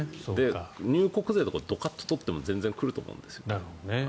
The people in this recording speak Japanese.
入国税とかドカッと取っても全然来ると思うんです。